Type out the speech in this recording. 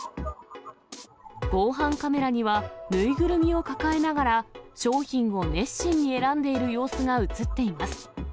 防犯カメラには、縫いぐるみを抱えながら、商品を熱心に選んでいる様子が写っています。